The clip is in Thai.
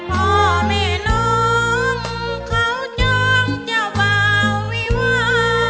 พ่อแม่น้องเขาย้องจะวาวิวา